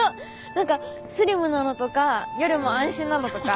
なんかスリムなのとか夜も安心なのとか。